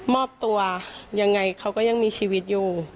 มอบตัวยังไงเขาก็ยังมีชีวิตอยู่